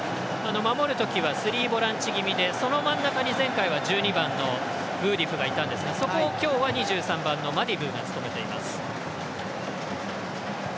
守るときはスリーボランチ気味で前回は、そこに１２番のブーディフがいたんですがそこを今日はマディブーが務めています。